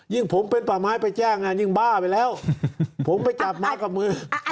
ผมเป็นป่าไม้ไปแจ้งยิ่งบ้าไปแล้วผมไปจับไม้กับมือ